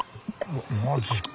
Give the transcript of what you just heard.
マジか。